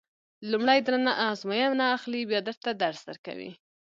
لومړی درنه ازموینه اخلي بیا درته درس درکوي.